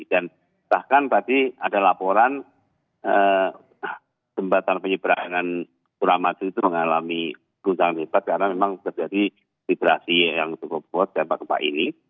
dan bahkan tadi ada laporan tempatan penyeberangan kurang mati itu mengalami guncangan hebat karena memang terjadi vibrasi yang cukup kuat gempa gempa ini